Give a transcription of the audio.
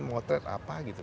memotret apa gitu